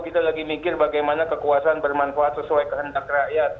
kita lagi mikir bagaimana kekuasaan bermanfaat sesuai kehendak rakyat